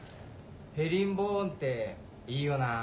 ヘリンボーンっていいよな。